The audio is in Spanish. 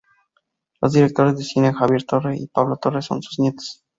Los directores de cine Javier Torre y Pablo Torre son sus nietos.